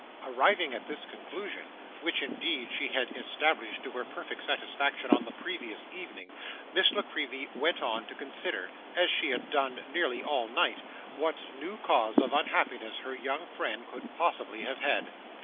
Arriving at this conclusion, which, indeed, she had established to her perfect satisfaction on the previous evening, Miss La Creevy went on to consider as she had done nearly all night what new cause of unhappiness her young friend could possibly have had.